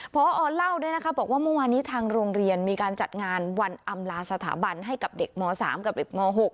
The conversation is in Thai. พอเล่าด้วยนะคะบอกว่าเมื่อวานนี้ทางโรงเรียนมีการจัดงานวันอำลาสถาบันให้กับเด็กม๓กับเด็กม๖